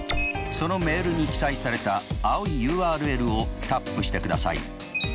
そのメールに記載された青いＵＲＬをタップしてください。